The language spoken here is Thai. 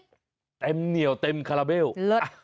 เต็มเหนียวเต็มคาราเบลเลิศ